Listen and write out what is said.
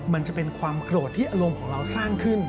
มันจะเป็นความโกรธที่อารมณ์ของเราสร้างขึ้น